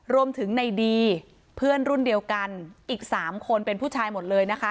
รวมถึงในดีเพื่อนรุ่นเดียวกันอีก๓คนเป็นผู้ชายหมดเลยนะคะ